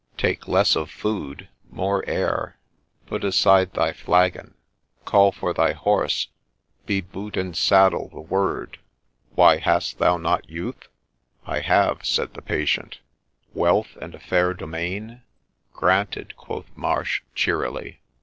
Take less of food, more air, put aside thy flagon, call for thy horse ; be boot and saddle the word ! Why, hast thou not youth ?—'' I have,' said the patient. ' Wealth and a fair domain ?'' Granted,' quoth Marsh, cheerily.